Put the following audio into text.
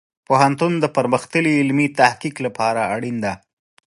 پوهنتون د پرمختللې علمي تحقیق لپاره اړین دی.